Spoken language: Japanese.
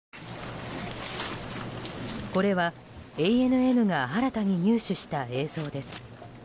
これはＡＮＮが新たに入手した映像です。